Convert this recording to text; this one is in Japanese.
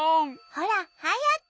ほらはやく。